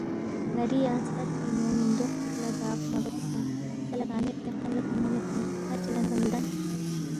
ن٘ری یا ژھر پِنگ نُو مِندوق چِک لہ داغ گوا مہ چُوکپا، سہ لہ کا میدپی خنم لہ تھُونمہ میدپی کَھر چی لدانُوگا مِہ لدن؟